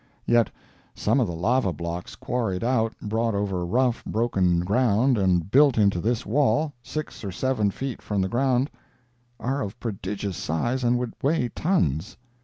Yet some of the lava blocks quarried out, brought over rough, broken ground, and built into this wall, six or seven feet from the ground, are of prodigious size and would weigh tons.